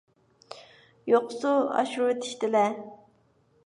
يوقسۇ! ئاشۇرۇۋېتىشتىلە!